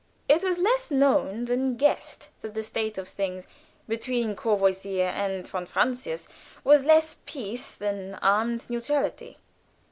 It was less known than guessed that the state of things between Courvoisier and von Francius was less peace than armed neutrality.